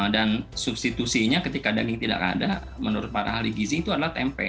dan substitusinya ketika daging tidak ada menurut para ahli gizi itu adalah tempe